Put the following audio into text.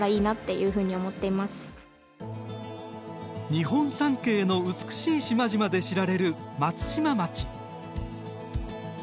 日本三景の美しい島々で知られる松島町。